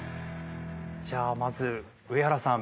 じゃあまず上原さん。